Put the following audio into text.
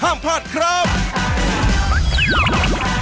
ห้ามพลาดครับ